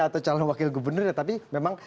atau calon wakil gubernurnya tapi memang